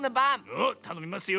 おったのみますよ！